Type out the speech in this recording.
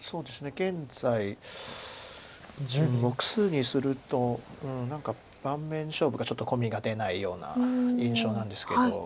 現在目数にすると何か盤面勝負かちょっとコミが出ないような印象なんですけど。